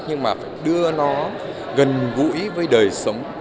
nhưng mà đưa nó gần gũi với đời sống